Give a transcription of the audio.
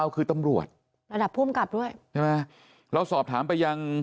คือตำรวจสอบถามไปยังแห่ง